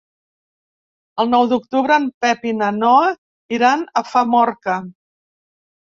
El nou d'octubre en Pep i na Noa iran a Famorca.